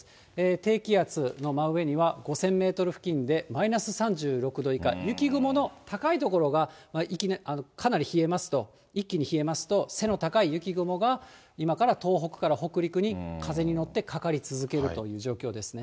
低気圧の真上には、５０００メートル付近でマイナス３６度以下、雪雲の高い所がかなり冷えますと、一気に冷えますと、背の高い雪雲が今から東北から北陸に風に乗ってかかり続けるという状況ですね。